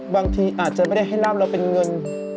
บางทีอาจจะไม่ได้ให้ร่ามเราเป็นเงิน